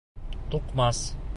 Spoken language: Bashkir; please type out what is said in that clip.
Туҡмас.